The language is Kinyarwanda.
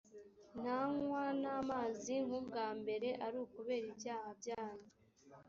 ntanywa n’amazi, nk’ubwa mbere, ari ukubera ibyaha byanyu